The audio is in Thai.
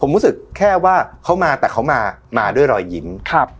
ผมรู้สึกแค่ว่าเขามาแต่เขามามาด้วยรอยยิ้มครับ